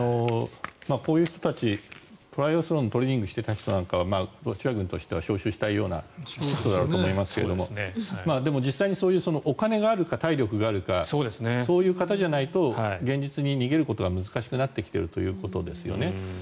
こういう人たちトライアスロンのトレーニングをしていた人たちはロシア軍としては招集したい人だろうと思いますがでも、実際にそういうお金があるか体力があるかそういう方じゃないと現実に逃げることが難しくなってきているということですね。